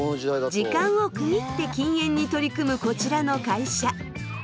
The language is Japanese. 時間を区切って禁煙に取り組むこちらの会社。